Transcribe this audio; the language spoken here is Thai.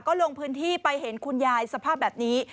ก็ลงพื้นที่ไปเห็นคุณยายสภาพแบบนี้